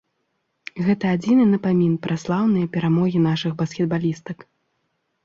Гэта адзіны напамін пра слаўныя перамогі нашых баскетбалістак.